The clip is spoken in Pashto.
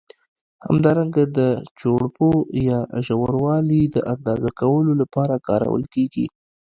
همدارنګه د چوړپو یا ژوروالي د اندازه کولو له پاره کارول کېږي.